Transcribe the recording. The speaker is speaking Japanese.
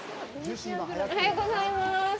おはようございます。